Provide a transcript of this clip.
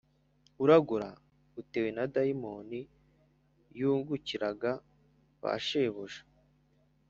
Uragura utewe na dayimoni yungukiraga ba shebuja